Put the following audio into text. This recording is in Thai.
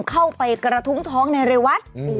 เข้าไปกระทุ้งท้องในเรวัต